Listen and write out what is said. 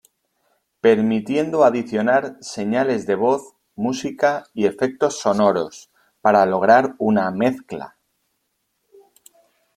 Permitiendo adicionar señales de voz, música y efectos sonoros, para lograr una "mezcla".